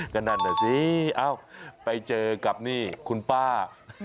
ก็นั่นน่ะสิเอ้าไปเจอกับนี่คุณป้า